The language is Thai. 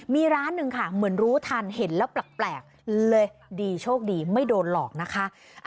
มีร้านหนึ่งค่ะเหมือนรู้ทันเห็นแล้วแปลกเลยดีโชคดีไม่โดนหลอกนะคะ